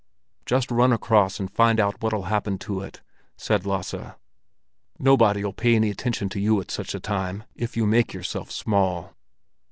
"Just run across and find out what'll happen to it!" said Lasse. "Nobody'll pay any attention to you at such a time, if you make yourself small."